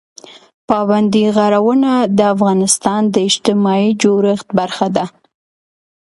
پابندی غرونه د افغانستان د اجتماعي جوړښت برخه ده.